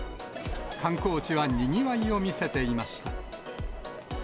観光地はにぎわいを見せていました。